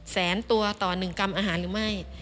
แสนตัวต่อ๑กรัมอาหารหรือไม่